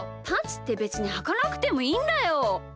パンツってべつにはかなくてもいいんだよ。